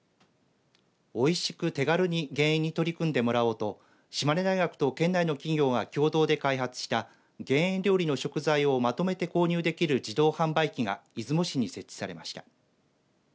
おいしく、手軽に減塩に取り組んでもらおうと島根大学と県内の企業が共同で開発した減塩料理の食材をまとめて購入できる自動販売機が出雲市に設置されました。